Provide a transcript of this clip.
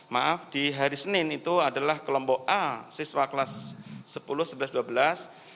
maaf di hari senin itu adalah kelompok a siswa kelas sepuluh sebelas dua belas